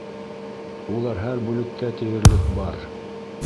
Улар һәр бүлектә тиерлек бар.